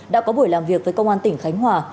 đã có buổi làm việc với công an tỉnh khánh hòa